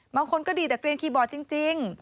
บางคนก็ดีแต่เกลียนคีย์บอร์ดจริง